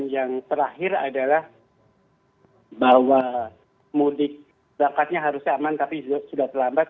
yang terakhir adalah bahwa mudik bakatnya harusnya aman tapi sudah terlambat